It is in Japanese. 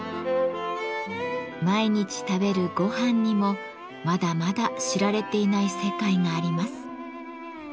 毎日食べる「ごはん」にもまだまだ知られていない世界があります。